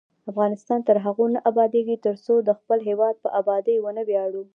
افغانستان تر هغو نه ابادیږي، ترڅو د خپل هیواد په ابادۍ ونه ویاړو.